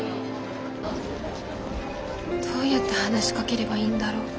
どうやって話しかければいいんだろう。